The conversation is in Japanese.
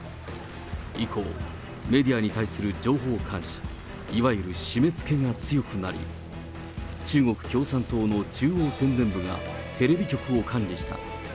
以降、メディアに対する情報監視、いわゆる締めつけが強くなり、中国共産党の中央宣伝部がテレビ局を管理した。